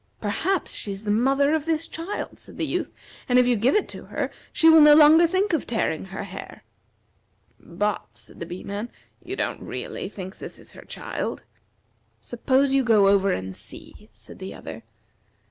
"Perhaps she is the mother of this child," said the Youth, "and if you give it to her she will no longer think of tearing her hair." "But," said the Bee man, "you don't really think this is her child?" "Suppose you go over and see," said the other.